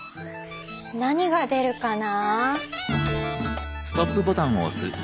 何が出るかな。